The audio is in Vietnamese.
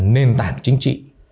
nền tảng chính trị